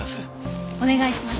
お願いします。